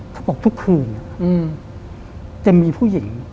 เขาบอกทุกคืนจะมีผู้หญิง